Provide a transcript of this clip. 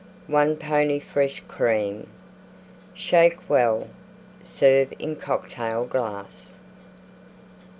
1 pony fresh Cream. Shake well, serve in Cocktail glass.